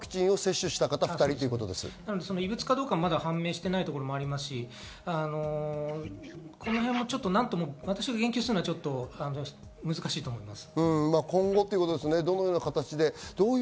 異物の混入に関しては、異物かどうかもまだ判明してないところもありますし、このへんは私が言及するのは難しいと思います。